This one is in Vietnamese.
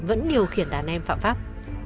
vẫn điều khiển đàn em phạm pháp